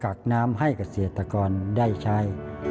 กรักน้ำให้กับเสียก่อนได้ใช้